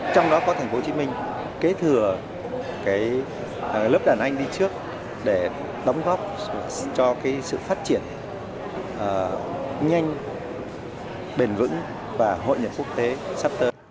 trong đó có tp hcm kế thừa lớp đàn anh đi trước để đóng góp cho sự phát triển nhanh bền vững và hội nhập quốc tế sắp tới